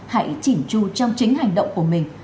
hãy chỉnh chu trong chính hành động của mình